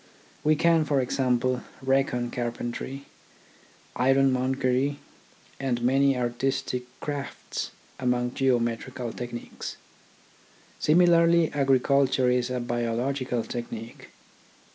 We can, for example, reckon carpentry, ironmongery, and many artistic crafts among geometrical techniques. Similarly agriculture is a biological technique.